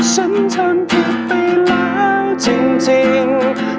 ฉันทำผิดไปแล้วจริง